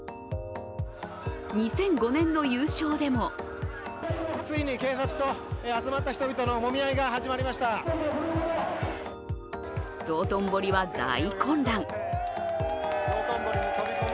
２００５年の優勝でも道頓堀は大混乱。